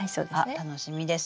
楽しみです。